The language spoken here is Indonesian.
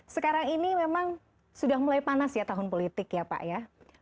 sekarang ini memang sudah mulai panas ya tahun politik ya pak ya